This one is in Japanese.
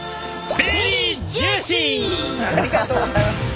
ありがとうございます。